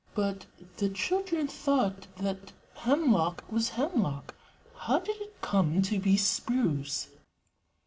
But the children thought that hemlock was hemlock: how did it come to be spruce?